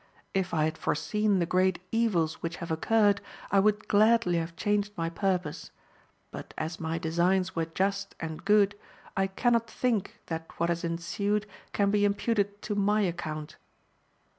If I had foreseen the great evils which have occurred, I would gladly have changed my purpose ; but as my designs were just and good, I cannot think that what has ensued can be im puted to my account.